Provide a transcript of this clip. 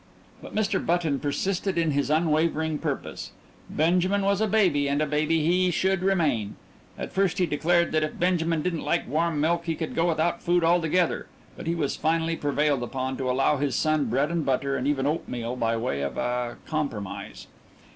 But Mr. Button persisted in his unwavering purpose. Benjamin was a baby, and a baby he should remain. At first he declared that if Benjamin didn't like warm milk he could go without food altogether, but he was finally prevailed upon to allow his son bread and butter, and even oatmeal by way of a compromise.